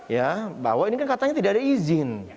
ya bahwa ini kan katanya tidak ada izin